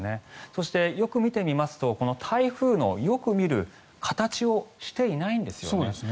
そして、よく見てみますと台風のよく見る形をしていないんですよね。